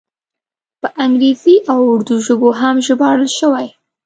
په انګریزي او اردو ژبو هم ژباړل شوی.